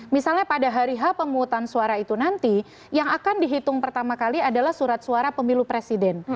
misalnya pada hari h pemungutan suara itu nanti yang akan dihitung pertama kali adalah surat suara pemilu presiden